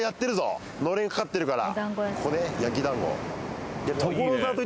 のれん掛かってるから。